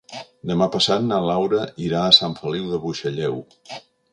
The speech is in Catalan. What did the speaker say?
Demà passat na Laura irà a Sant Feliu de Buixalleu.